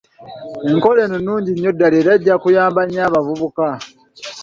Enkola eno nnungi nnyo ddala era ejja kuyamba nnyo abavubuka.